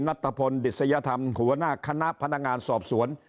ัตตะพลดิษยธรรมหัวหน้าคณะพนักงานสอบสวน